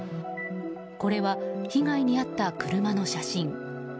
これは被害に遭った車の写真。